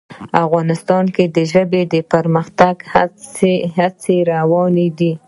افغانستان کې د ژبې د پرمختګ هڅې روانې دي.